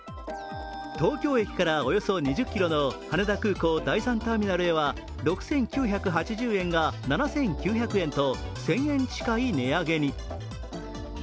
東京駅からおよそ２０ｋｍの羽田空港第３ターミナルへは６９８０円が７９００円と１０００円近い値上げに。